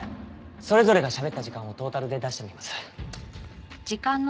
それぞれがしゃべった時間をトータルで出してみます。